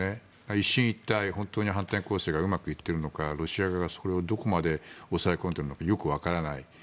一進一退、本当に反転攻勢がうまくいっているのかロシア側が、それをどこまで抑え込んでいるのかよく分からない。